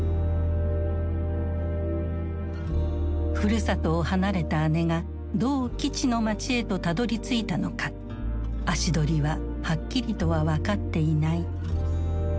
ふるさとを離れた姉がどう基地の街へとたどりついたのか足取りははっきりとは分かっていない。